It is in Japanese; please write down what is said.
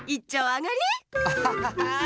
アハハハー！